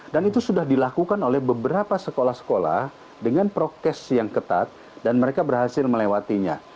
dan itu sudah dilakukan oleh beberapa sekolah sekolah dengan protes yang ketat dan mereka berhasil melewatinya